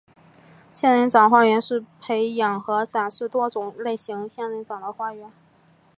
仙人掌花园是培养和展示多种类型仙人掌的花园。